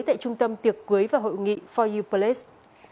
tại trung tâm tiệc cưới và hội nghị for you palace